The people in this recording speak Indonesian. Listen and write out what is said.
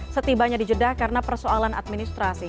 setibanya dijeda karena persoalan administrasi